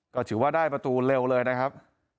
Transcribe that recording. ก็ถือว่าได้ประตูเร็วเลยนะครับ